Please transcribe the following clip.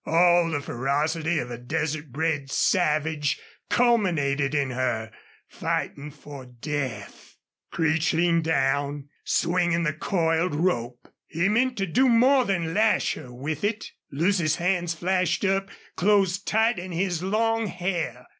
All the ferocity of a desert bred savage culminated in her, fighting for death. Creech leaned down, swinging the coiled rope. He meant to do more than lash her with it. Lucy's hands flashed up, closed tight in his long hair.